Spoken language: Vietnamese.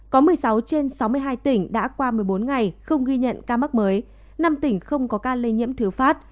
có một mươi sáu trên sáu mươi hai tỉnh đã qua một mươi bốn ngày không ghi nhận ca mắc mới năm tỉnh không có ca lây nhiễm thứ phát